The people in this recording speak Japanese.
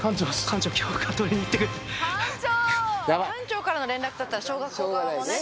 館長からの連絡だったら小学校側もね。